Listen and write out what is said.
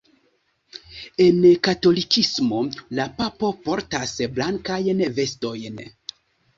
En katolikismo la Papo portas blankajn vestojn.